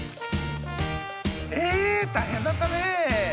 大変だったねぇ！